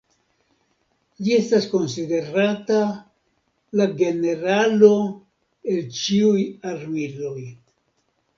Ĝi estas konsiderata "La Generalo el ĉiuj Armiloj".